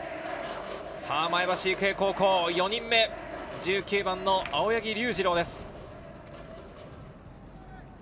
前橋育英高校４人目、１９番の青柳龍次郎です。